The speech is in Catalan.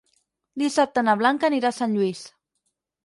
Dissabte na Blanca anirà a Sant Lluís.